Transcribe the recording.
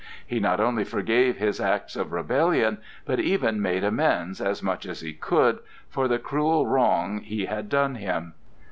He not only forgave his acts of rebellion, but even made amends, as much as he could, for the cruel wrong he had done him.